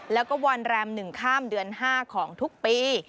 แล้วก็วันแรม๑ข้ามเดือน๕ของทุกปี